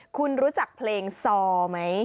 คุณรู้จักเพลงซอไหม